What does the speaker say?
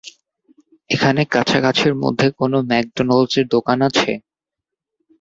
এখানে কাছাকাছির মধ্যে কোনো ম্যাকডোনাল্ডসের দোকান আছে?